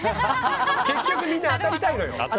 結局、みんな当たりたいのよ。